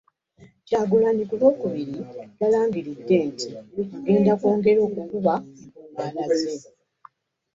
Kyagulanyi ku Lwokubiri yalangiridde nti agenda kwongera okukuba enkungaana ze